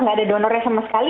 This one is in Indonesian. nggak ada donornya sama sekali